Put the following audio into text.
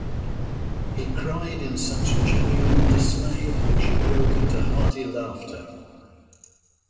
He cried in such genuine dismay that she broke into hearty laughter.